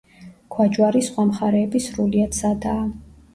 ქვაჯვარის სხვა მხარეები სრულიად სადაა.